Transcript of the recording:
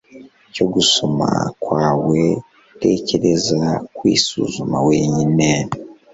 cyo gusoma kwawe tekereza kwisuzuma wenyine